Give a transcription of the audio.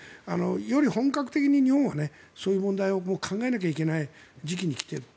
より本格的にそういう問題を考えなきゃいけない時期に来ている。